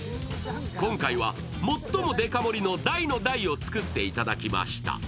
今回は最もデカ盛りの大の大を作っていただきました。